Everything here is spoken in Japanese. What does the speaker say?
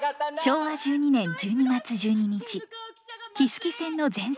昭和１２年１２月１２日木次線の全線が開通。